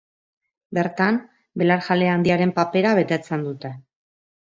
Bertan belarjale handiaren papera betetzen dute.